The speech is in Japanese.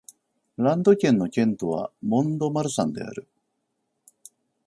ランド県の県都はモン＝ド＝マルサンである